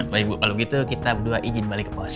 baik bu kalau begitu kita dua izin balik ke pos ya